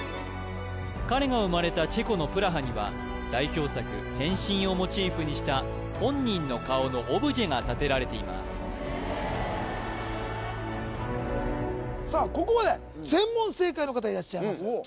彼が生まれたチェコのプラハには代表作「変身」をモチーフにした本人の顔のオブジェが建てられていますさあありがとうございます